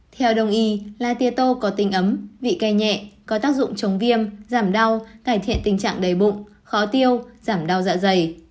theo đồng ý lá tiết tô có tinh ấm vị cay nhẹ có tác dụng chống viêm giảm đau cải thiện tình trạng đầy bụng khó tiêu giảm đau dạ dày